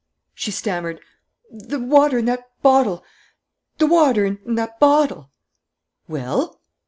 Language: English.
She stammered: "The water in that bottle ... the water in that bottle " "Well?"